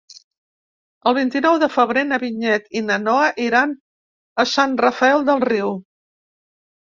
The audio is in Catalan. El vint-i-nou de febrer na Vinyet i na Noa iran a Sant Rafel del Riu.